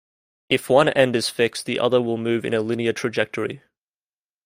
If one end is fixed, the other will move in a linear trajectory.